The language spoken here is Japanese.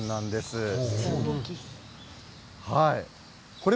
これ。